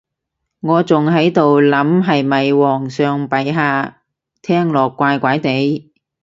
我仲喺度諗係咪皇上陛下，聽落怪怪哋